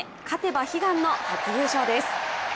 勝てば悲願の初優勝です。